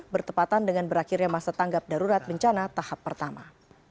bertepatan dengan berakhirnya masa tanggap darurat bencana tahap pertama